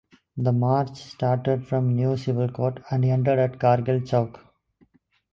The march started from New Civil Court and ended at Kargil Chowk.